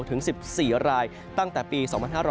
ถึง๑๔รายตั้งแต่ปี๒๕๕๙